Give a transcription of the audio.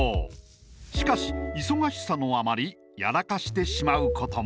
しかし忙しさのあまりやらかしてしまうことも。